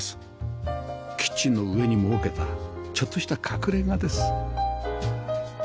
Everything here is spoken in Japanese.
キッチンの上に設けたちょっとした隠れ家です